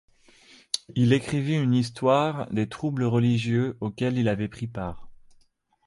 Il écrivit une histoire des troubles religieux auxquels il avait pris part.